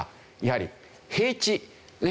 やはり平地ねっ。